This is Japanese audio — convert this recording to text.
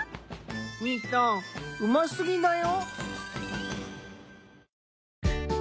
みーたんうますぎだよ。